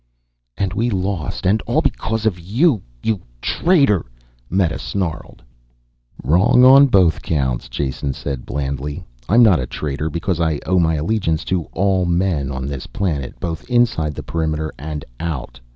"And we lost and all because of you ... you traitor!" Meta snarled. "Wrong on both counts," Jason said blandly. "I'm not a traitor because I owe my allegiance to all men on this planet, both inside the perimeter and out.